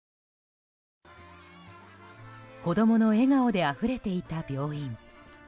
子供の笑顔であふれていた病院。